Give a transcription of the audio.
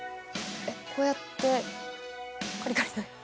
えっこうやってカリカリ。